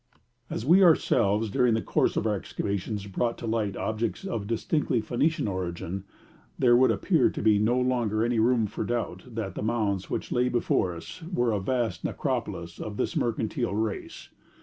As we ourselves, during the course of our excavations, brought to light objects of distinctly Phoenician origin, there would appear to be no longer any room for doubt that the mounds which lay before us were a vast necropolis of this mercantile race.